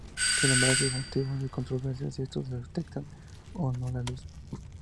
Sin embargo es motivo de controversia si estos detectan o no la luz.